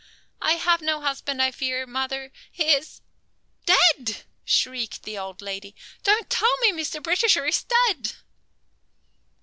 "I have no husband, I fear, mother. He is " "Dead!" shrieked the old lady. "Don't tell me Mr. Britisher is dead!"